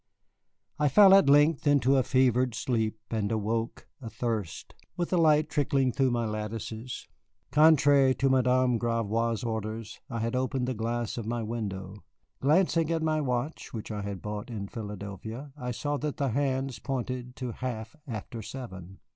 I fell at length into a fevered sleep, and awoke, athirst, with the light trickling through my lattices. Contrary to Madame Gravois's orders, I had opened the glass of my window. Glancing at my watch, which I had bought in Philadelphia, I saw that the hands pointed to half after seven.